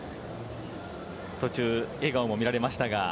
途中、笑顔も見られましたが。